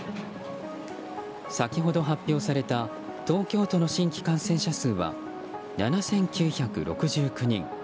先ほど発表された東京都の新規感染者数は７９６９人。